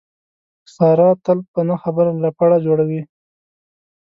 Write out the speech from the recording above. ساره تل په نه خبره لپړه جوړوي.